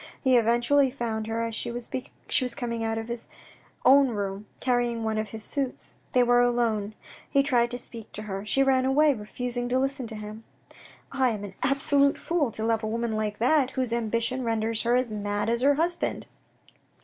He eventually found her as she was coming out of his own room, carrying one of his suits. They were alone. He tried to speak to her. She ran away, refusing to listen to him. " I am an absolute fool to love a woman like that, whose ambition renders her as mad as her husband."